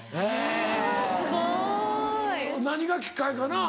すごい！何がきっかけかなぁ。